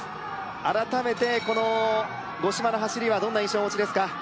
改めてこの五島の走りはどんな印象をお持ちですか？